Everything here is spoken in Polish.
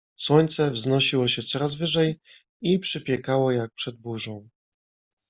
Słońce wznosiło się coraz wyżej i przypiekało jak przed burzą.